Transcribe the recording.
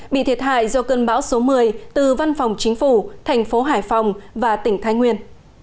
bị thiệt hại do cơn bão số một mươi từ văn phòng chính phủ thành phố hải phòng và tỉnh thái nguyên